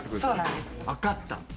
わかった。